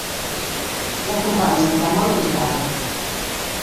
Si acumpàngiant a manu pigada!